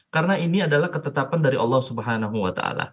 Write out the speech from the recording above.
karena ini adalah ketetapan dari allah swt